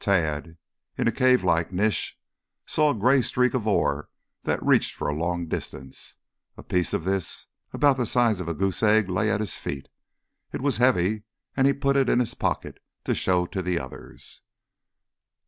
Tad, in a cavelike niche, saw a gray streak of ore that reached for a long distance. A piece of this about the size of a goose egg lay at his feet. It was heavy, and he put it in his pocket to show to the others.